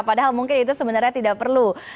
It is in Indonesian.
padahal mungkin itu sebenarnya tidak perlu